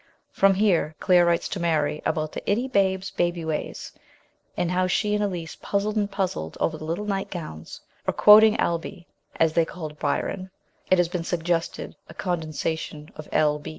From here Claire writes to Mary about the " Itty Babe's " baby ways, and how she and Elise puzzled and puzzled over the little night gowns, or, quoting Albe, as they called Byron (it has been suggested a condensation of L.